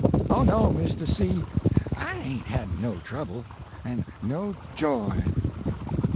"Oh no' Misto C , I hain't had no trouble. An' no JOY!"